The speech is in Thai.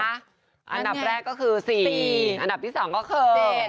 อันดับแรกก็คือ๔อันดับที่๒ก็คือ๗